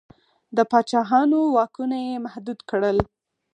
د پاچاهانو واکونه یې محدود کړل.